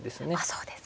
そうですか。